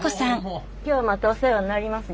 今日またお世話になります。